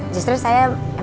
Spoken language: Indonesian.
justru saya emang teman